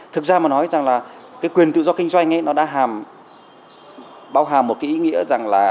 thực ra mà nói rằng là quyền tự do kinh doanh nó đã bao hàm một ý nghĩa rằng là